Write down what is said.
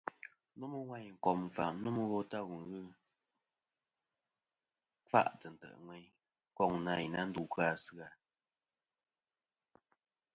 Nomɨ wayn wùl kom ɨkfà nomɨ wo ta wù ghɨ kfa'tɨ ntè' ŋweyn, koŋ na i na ndu kɨ nà asɨ-a.